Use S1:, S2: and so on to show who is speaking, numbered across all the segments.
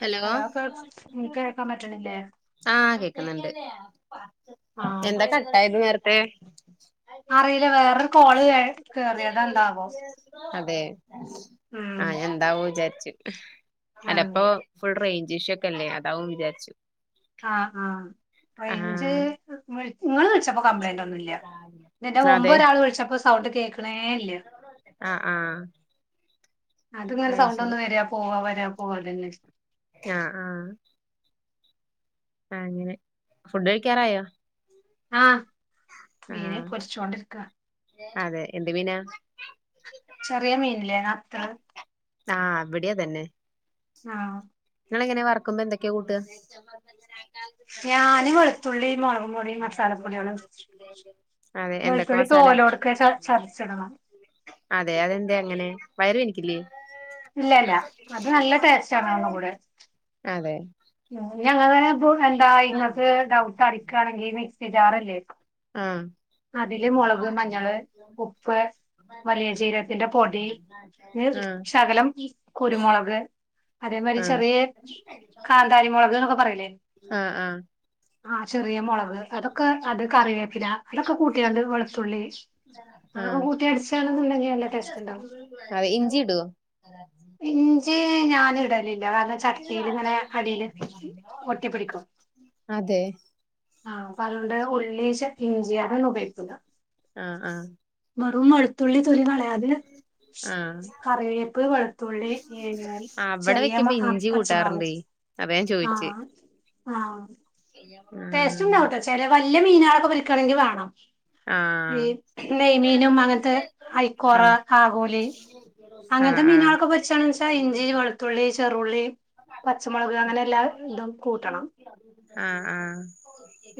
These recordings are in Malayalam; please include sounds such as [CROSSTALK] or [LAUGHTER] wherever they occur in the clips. S1: ഹലോ
S2: അതാ ഫാസ്റ്റ് നിങ്ങക്ക് കേക്കാൻ പറ്റണില്ലേ
S1: ആഹ് കേക്കുന്നുണ്ട്
S2: ആഹ്
S1: എന്താ കട്ടായത് നേര്ത്തെ
S2: അറിയില്ല വേറൊരു കോള്ലെ കേറിയതെന്താവോ
S1: അതെ
S2: ഉം
S1: ആ ഞാ എന്താവു വിചാരിചിട്ട്
S2: ആഹ്
S1: ചെലപ്പോ ഫുൾ റേഞ്ച് ഇഷൂക്കെല്ലേ അതാവൂന്ന് വിചാരിച്ചു
S2: ആഹ് ആഹ് റയിഞ്ച്
S1: ആഹ്
S2: വി നിങ്ങള് വിളിച്ചപ്പോ കംപ്ലയിന്റ് ഒന്നുല്ല ഇന്റെ
S1: അതെ
S2: മുമ്പൊരാള് വിളിച്ചപ്പോ സൗണ്ട് കേൾക്കണേ ഇല്ല
S1: ആഹ് ആഹ്
S2: അത്ങ്ങള
S1: അത് ശരി
S2: സൗണ്ടൊന്നും വെരുക പോവാ വെരാ പോവതന്നേ
S1: ആഹ് ആഹ് ആ അങ്ങനെ ഫുഡ് കഴിക്കാറായോ
S2: ആഹ് മീന്
S1: ആഹ്
S2: പൊരിച്ചോണ്ടിരിക്ക
S1: അതെ എന്ത് മീന
S2: ചെറിയ മീനില്ലേ നത്തള്
S1: ആഹ് ഇവിടെയ തന്നെ
S2: ഹാ
S1: നിഞങ്ങളെങ്ങനെ വർക്കുംമ്പോ എന്തൊക്കെയാ കൂട്ടുക
S2: ഞാന് വെളുത്തുള്ളി മൊളക് പൊടി മസാല പൊടികള്
S1: ദാണ്ടെ
S2: വെളുത്തുള്ളി തോലോടുക്കെ ചതച്ചിടണം
S1: അതെ അതെന്താ അങ്ങനെ വയർ വേനിക്കില്ലേ
S2: ഇല്ലില്ല അത് നല്ല ടേസ്റ്റാണ് ഒന്നും കൂടെ
S1: അതെ
S2: ഉം ഞങ്ങള് ഇപ്പൊ എന്താ ഇങ്ങത്തെ ഡൗട്ട് അടിക്കാണെങ്കി മിക്സി ജാറില്ലേ
S1: ആം
S2: അതില് മൊളക് മഞ്ഞള് ഉപ്പ് വലിയ ജീരത്തിന്റെ പൊടി
S1: ആഹ്
S2: ശകലം കുരുമൊളക് അതേ മാരി
S1: ആഹ്
S2: ചെറിയ കാന്താരി മൊളക് എന്നൊക്കെ പറയില്ലേ
S1: ആഹ് ആഹ്
S2: ആഹ് ചെറിയ മൊളക് അതൊക്കെ അത് കറിവേപ്പില അതൊക്കെ കൂട്ടിയാണ്ട് വെളുത്തുള്ളി ആ
S1: ആഹ്
S2: ഊട്ടി അടിച്ചാണെന്നുണ്ടെങ്കി നല്ലാ ടേസ്റ്റിണ്ടാവും
S1: ആ ഇഞ്ചിടുവോ
S2: ഇഞ്ചി ഞാൻ ഇടലില്ല കാർണെ ചട്ടീലിങനെ അടിയില് ഒട്ടി പിടിക്കും
S1: അതെ
S2: ആ അപ്പൊ അതോണ്ട് ഉള്ളേച്ച ഇഞ്ചി അതൊന്നും ഉപയിക്കൂല
S1: ആഹ് ആഹ്
S2: വെറും വെളുത്തുള്ളി തൊലി കളയാതെ
S1: ആഹ്
S2: കറിയേപ്പ് വെള് ഉള്ളി
S1: അവിടെ
S2: ചെറിയമ്മ
S1: വെക്കുമ്പോ ഇഞ്ചി
S2: പച്ചമൊളകും
S1: കൂട്ടാറുണ്ടേ
S2: ആഹ് ആം
S1: ചെയ്യ
S2: ടേസ്റ്റ് ഉണ്ടാവട്ടെ ചെല വലിയ മീന ആളൊക്കെ വിൽക്കണമെങ്കിൽ വേണം ഈ നെയ്മീനും അങ്ങനത്തെ അഐക്കോറ ആഗോലി
S1: [INAUDIBLE]
S2: അങ്ങനത്തെ
S1: ആഹ്
S2: മീനുകളൾൊക്കെ വെച്ചണ വെച്ചാൽ ഇഞ്ചി വെളുത്തുള്ളി ചെറുുള്ളി പച്ചമുളക് അങ്ങനെ എല്ലാ ഇതും കൂട്ടണം
S1: ആഹ ആഹ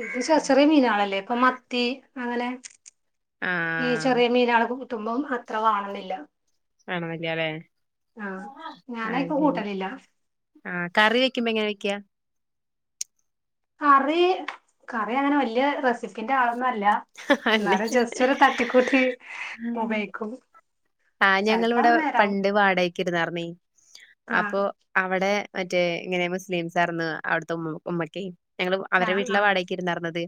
S2: ഇത് ശവചെറിയ മീനാണല്ലേ ഇപ്പൊ മത്തി അങ്ങനെ ഈ
S1: ആഹ്
S2: ചെറിയ മീനാൾ കുട്ടുമ്പം അത്ര വണണില്ല
S1: വേണന്നില്ലാല്ലേ
S2: ആഹ
S1: അത്
S2: ഞാനായിക്ക
S1: ശരി
S2: കൂട്ടലില്ല
S1: ആഹ് കറി വെക്കുമ്പോ എങ്ങനെ വെക്ക
S2: കറി കറി അങ്ങനെ വല്യ റെസിപ്പിന്റെ ആളൊന്നുംഇല്ല
S1: അല്ലേ
S2: ലാര ജസ്ചല്ല തട്ട കുട്ടി മബൈക്ക
S1: ആഹ് ഞങ്ങിവിടെ പണ്ട് വാടകക്ക് ഇരുന്നാരന്ന
S2: ആ
S1: അപ്പൊ അവിടെ മറ്റേ ഇങ്ങനെ മുസ്ലിംസ ആന്ന് അവിടുത്തെ ഉമ്മ ഉമ്മക്കെയ ഞങ്ങള്
S2: ആ
S1: അവരെടെ
S2: ആ
S1: വീട്ടിലെ വാടകക്ക് ഇരുന്നാഞ്ഞത്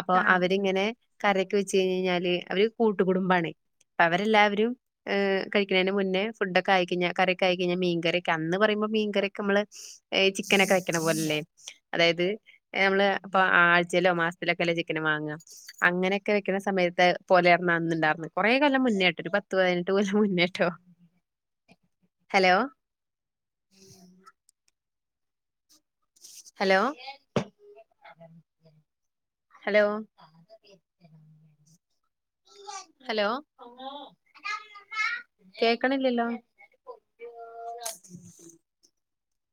S1: അപ്പൊ
S2: ആ
S1: അവരിങ്ങനെ കറിയൊക്കെ വെച്ച് കഴിഞ്ഞ് കഴിഞ്ഞാല് അവര് കൂട്ട കുടബാണ് അപ്പ അവരെല്ലാവരും ഏഹ് കഴിക്കുന്നന് മുന്നേ ഫുഡ്ൊക്കെ കയഴിഞ്ഞ കറൊക്കെയക്കഴിഞ്ഞാ മീകരൊെ അന്ന് പറയുമ്പോ മീൻകരൊക്കെ നമ്മള് ഏഹ് ചിക്കനൊക്കെ വെക്കണ പോലല്ലേ അതായത് നമ്മള് ഇപ്പൊ ആഴ്ചയിലോ മാസത്തിലോക്കെല്ല ചിക്കന് വാങ്ങാ അങ്ങനെയക്കെ വെക്കണ സമയത്ത് പോലെആർന്ന് അന്നുണ്ടാർന്നു കുറെേ കാലം മുന്നേ ആട്ട ഒരു പത്ത് പതിന പത്ത് കൊല്ലം മുന്നേട്ടോ ഹലോ ഹലോ ഹലോ
S2: [INAUDIBLE]
S1: ഹലോ കേക്കണില്ലല്ലോ [INAUDIBLE]